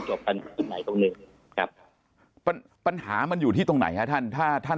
ตรงไหนตรงหนึ่งครับปัญหามันอยู่ที่ตรงไหนฮะท่านถ้าท่าน